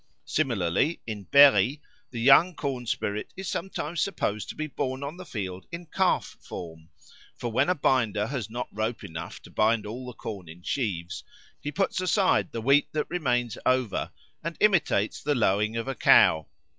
Similarly in Berry the young corn spirit is sometimes supposed to be born on the field in calf form; for when a binder has not rope enough to bind all the corn in sheaves, he puts aside the wheat that remains over and imitates the lowing of a cow.